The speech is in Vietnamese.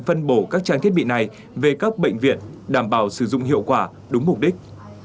phân bổ các trang thiết bị này về các bệnh viện đảm bảo sử dụng hiệu quả đúng mục đích